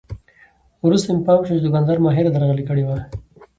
وروسته مې پام شو چې دوکاندار ماهره درغلي کړې وه.